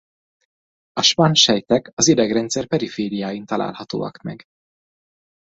A Schwann-sejtek az idegrendszer perifériáin találhatóak meg.